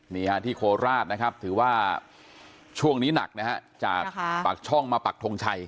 นี่ฮะที่โคราชนะครับถือว่าช่วงนี้หนักนะฮะจากปากช่องมาปักทงชัย